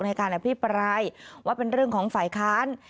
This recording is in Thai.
ในการอภิปรายว่าเป็นเรื่องของฝ่ายค้าน